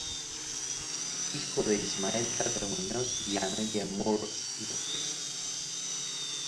Hijo de Ismael Tapia Muñoz y Amelia Moore López.